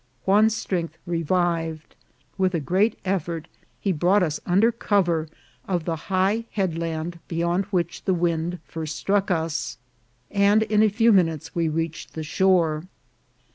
Juan's strength revived ; with a great effort he brought us under cover of the high head land beyond which the wind first struck us, and in a few minutes we reached the shore.